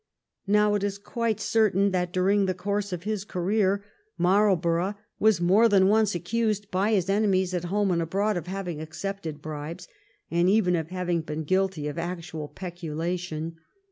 Now, it is quite certain that during the course of his career Marlborough was more than once accused by his enemies at home and abroad of having accepted bribes, and even of having been guilty of actual peculation.